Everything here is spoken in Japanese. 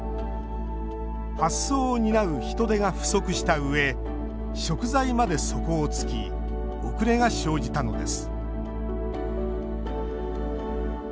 発送を担う人手が不足したうえ食材まで底をつき遅れが生じたのです